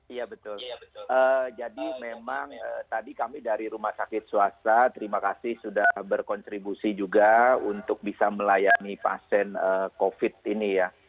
iya betul jadi memang tadi kami dari rumah sakit swasta terima kasih sudah berkontribusi juga untuk bisa melayani pasien covid ini ya